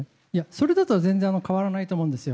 それだと全然変わらないと思うんですよ。